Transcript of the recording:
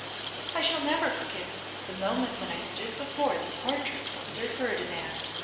'I shall never forget the moment when I stood before the portrait of Sir Ferdinand.